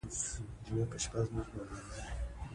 عایشه ګل مې دوه کلنه شو